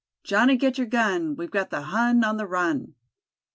"Johnny get your gun, we've the Hun on the run."